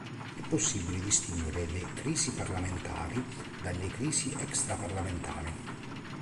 È possibile distinguere le crisi "parlamentari" dalle crisi "extraparlamentari".